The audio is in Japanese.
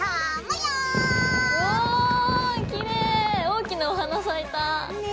うおきれい大きなお花咲いた！ね